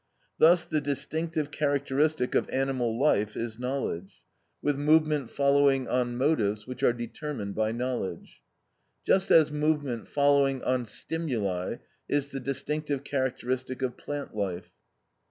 Thus the distinctive characteristic of animal life is knowledge, with movement following on motives, which are determined by knowledge, just as movement following on stimuli is the distinctive characteristic of plant life.